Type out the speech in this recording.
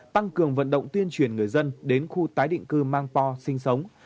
tăng cường vận động tuyên truyền người dân đến khu tái định cư mang po sinh sống